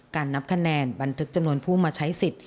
นับคะแนนบันทึกจำนวนผู้มาใช้สิทธิ์